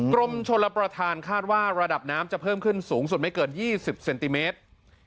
กรมชลประธานคาดว่าระดับน้ำจะเพิ่มขึ้นสูงสุดไม่เกิน๒๐เซนติเมตร